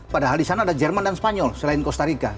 padahal di sana ada jerman dan spanyol selain costa rica